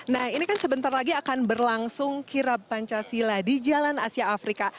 nah ini kan sebentar lagi akan berlangsung kirap pancasila di jalan asia afrika